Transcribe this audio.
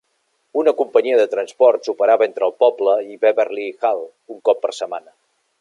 Una companyia de transports operava entre el poble i Beverley i Hull un cop per setmana.